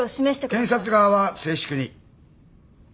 検察側は静粛に。